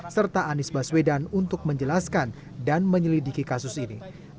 serta anies baswedan untuk menjelaskan dan menyelidiki kasus ini